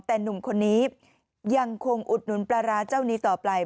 แต่หนุ่มคนนี้ยังคงอุดหนุนปลาร้าเจ้านี้ต่อไป